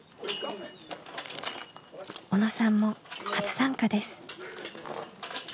小野さんも初参加です。